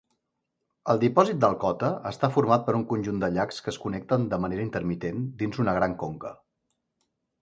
El dipòsit de Alcoota està format per un conjunt de llacs que es connecten de manera intermitent dins una gran conca.